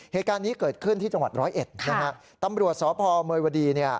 เหตุการณ์นี้เกิดขึ้นที่จังหวัดร้อยเอ็ดนะฮะตำรวจสพเมยวดีเนี่ย